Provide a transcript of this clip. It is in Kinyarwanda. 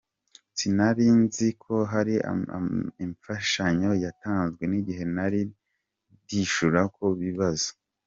Sinari nzi ko hari imfashanyo yatanzwe igihe nariko ndishura ku bibazo.